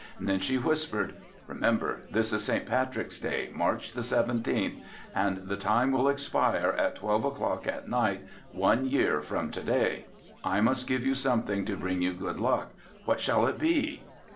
Then she whispered, "remember this is St. Patrick's day, March the 17th, and the time will expire at twelve o'clock at night, one year from to day. I must give you something to bring you good luck, what shall it be?"